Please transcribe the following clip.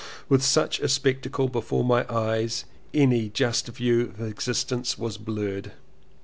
With such a spectacle before my eyes any just view of existence was blurred.